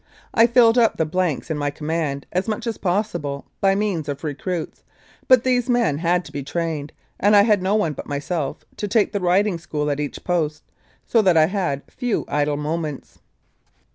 I filled up the blanks in my command as much as possible by means of recruits, but these men had to be trained, and I had no one but myself to take the riding school at each post, so that I had few idle moments.